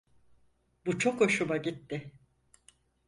Bu çok hoşuma gitti.